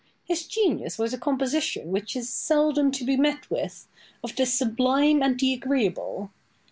His genius was a composition which is seldom to be met with, of the sublime and the agreeable.